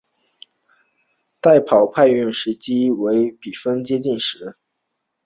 代跑派用时机为比分接近时。